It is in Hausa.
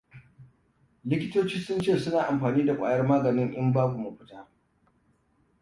Likitoci Sun ce Suna Amfani Da Kwayar maganin In “Babu Mafita”.